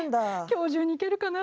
今日中に行けるかな？